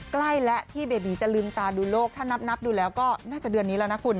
ใกล้แล้วที่เบบีจะลืมตาดูโลกถ้านับดูแล้วก็น่าจะเดือนนี้แล้วนะคุณ